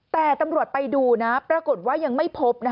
แต่ตำรวจไปดูนะปรากฏว่ายังไม่พบ